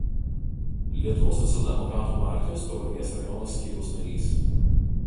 Lietuvos socialdemokratų partijos Tauragės rajono skyriaus narys.